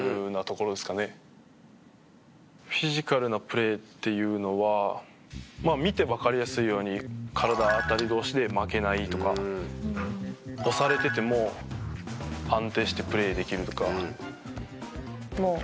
フィジカルなプレーっていうのはまあ見てわかりやすいように体が当たる同士で負けないとか押されてても安定してプレーできるとか。